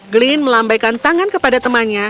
glenn melambaikan tangan kepada temannya